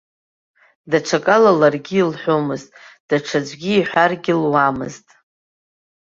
Даҽакала ларгьы илҳәомызт, даҽаӡәгьы иҳәаргьы луамызт.